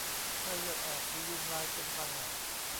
ไข้เลือดออก มียุงลายเป็นพาหะ